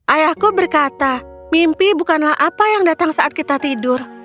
ayahku berkata mimpi bukanlah apa yang datang saat kita tidur